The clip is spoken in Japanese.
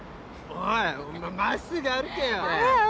おいお前真っすぐ歩けって！